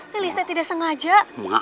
delihat pesta aprellini adalah